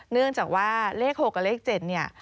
เนื่องจากว่าเลข๖กับเลข๗เนี่ย